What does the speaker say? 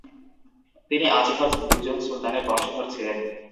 তিনি আচেহর দুইজন সুলতানের বংশধর ছিলেন।